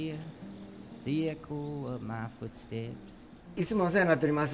いつもお世話になっております。